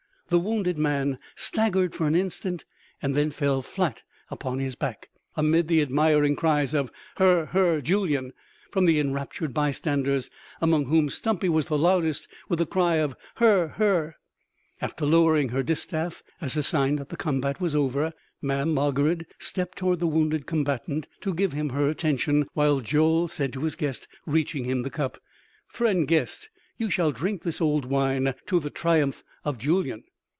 The wounded man staggered for an instant and then fell flat upon his back, amid the admiring cries of "Her ... her ... Julyan!" from the enraptured by standers among whom Stumpy was the loudest with the cry of "Her ... her!" After lowering her distaff as a sign that the combat was over Mamm' Margarid stepped toward the wounded combatant to give him her attention, while Joel said to his guest, reaching him the cup: "Friend guest, you shall drink this old wine to the triumph of Julyan."